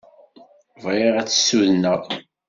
Bɣiɣ ad tt-sudneɣ.